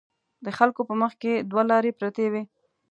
د خلکو په مخکې دوه لارې پرتې وي.